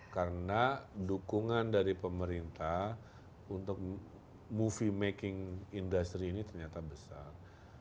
karena dukungan dari pemerintah untuk movie making industry ini ternyata besar